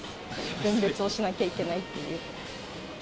分別をしなきゃいけないっていう。